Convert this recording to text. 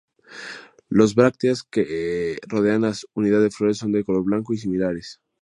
Las brácteas que rodean la unidad de flores son de color blanco y similares.